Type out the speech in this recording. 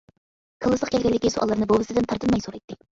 كاللىسىغا كەلگەنلىكى سوئاللارنى بوۋىسىدىن تارتىنماي سورايتتى.